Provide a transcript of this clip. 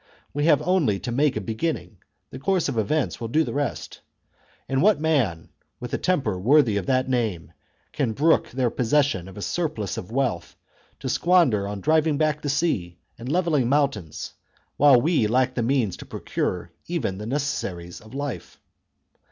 We have only to make a beginning, the course of events will do the rest. And what man, with a temper worthy of that name, can brook their possession of a surplus of wealth to squander on driving back the sea and level ling mountains, while we lack the means to procure even the necessaries of life